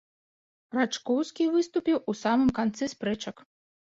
Рачкоўскі выступіў у самым канцы спрэчак.